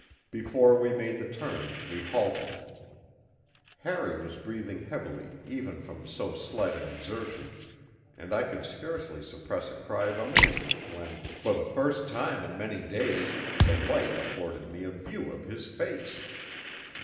Before we made the turn we halted. Harry was breathing heavily even from so slight an exertion, and I could scarcely suppress a cry of amazement when, for the first time in many days, the light afforded me a view of his face.